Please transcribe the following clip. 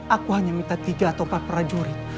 aku hanya minta tiga atau empat prajurit